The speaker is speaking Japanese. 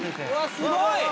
すごい！